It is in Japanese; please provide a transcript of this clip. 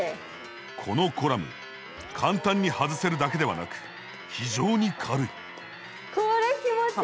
このコラム簡単に外せるだけではなく非常に軽い。